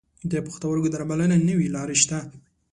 د پښتورګو درملنې نوي لارې شته.